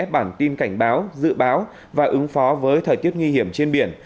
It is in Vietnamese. bản tin cảnh báo dự báo và ứng phó với thời tiết nguy hiểm trên biển